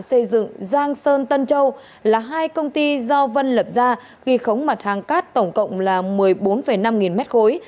xây dựng giang sơn tân châu là hai công ty do vân lập ra ghi khống mặt hàng cát tổng cộng là một mươi bốn năm nghìn mét khối